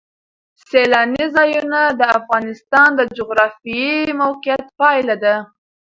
سیلانی ځایونه د افغانستان د جغرافیایي موقیعت پایله ده.